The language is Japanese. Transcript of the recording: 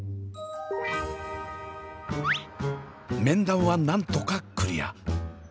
面談はなんとかクリア。